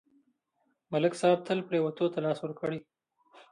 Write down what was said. ملک صاحب تل پرېوتو ته لاس ورکړی.